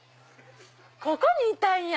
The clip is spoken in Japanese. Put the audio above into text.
ここにいたんや。